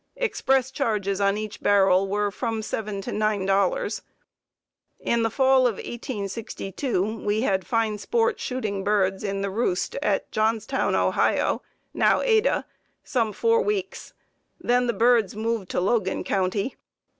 Express charges on each barrel were from $7 to $9. In the fall of 1862 we had fine sport shooting birds in the roost at Johnstown, Ohio (now Ada), some four weeks. Then the birds moved to Logan County.